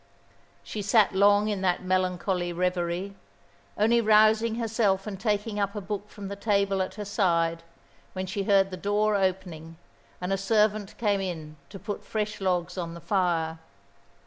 She sat long in that melancholy reverie, only rousing herself and taking up a book from the table at her side, when she heard the door opening, and a servant came in to put fresh logs on the fire.